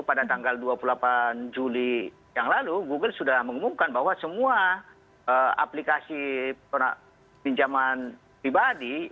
pada tanggal dua puluh delapan juli yang lalu google sudah mengumumkan bahwa semua aplikasi pinjaman pribadi